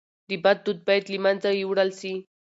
د بد دود باید له منځه یووړل سي.